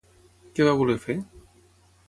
Què va voler fer?